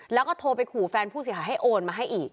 แล้วก็โทรไปขู่แฟนผู้เสียหายให้โอนมาให้อีก